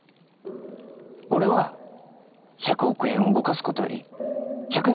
俺は１００億円を動かすことより１００円